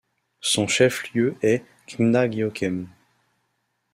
Son chef-lieu est Ngayokhem.